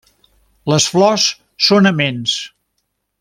Les flors són aments.